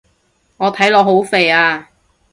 我睇落好肥啊